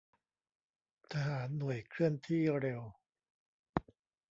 ทหารหน่วยเคลื่อนที่เร็ว